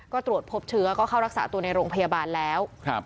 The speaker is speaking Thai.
ก็ตรวจพบเชื้อก็เข้ารักษาตัวในโรงพยาบาลแล้ว